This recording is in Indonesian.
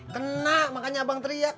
kenak makanya abang teriak